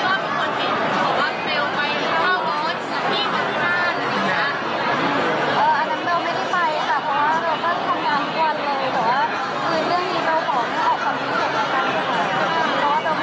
เอ่ออันนั้นเบลไม่ได้ไปแต่ว่าเบลก็ทำงานกว่าเลยเดี๋ยวว่าอื่นเรื่องนี้เบลขอขอความรู้เห็นกันกันเถอะ